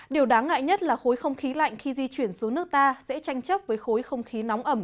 điều đáng ngại nhất là khối không khí lạnh khi di chuyển xuống nước ta sẽ tranh chấp với khối không khí nóng ẩm